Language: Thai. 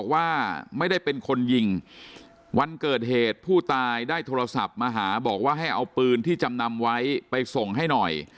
วันเกิดเหตุผู้ตายได้โทรศัพท์มาหาบอกว่าให้เอาปืนที่จำนำไว้ไปส่งให้หน่อย